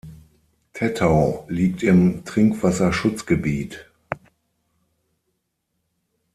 Tettau liegt im Trinkwasserschutzgebiet.